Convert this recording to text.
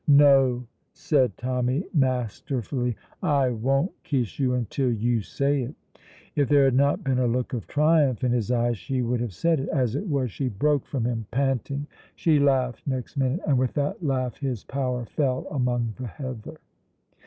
"No," said Tommy, masterfully. "I won't kiss you until you say it." If there had not been a look of triumph in his eyes, she would have said it. As it was, she broke from him, panting. She laughed next minute, and with that laugh his power fell among the heather.